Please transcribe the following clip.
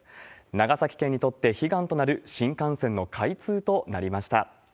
長崎県にとって悲願となる新幹線の開通となりました。